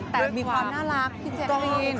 แต่มีความน่ารักพี่เจมส์